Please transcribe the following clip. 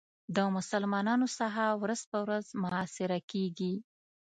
د مسلمانانو ساحه ورځ په ورځ محاصره کېږي.